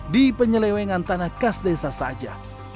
di penyelewengan tanah khas desa saja